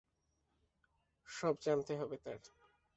সব জানতে হবে তার!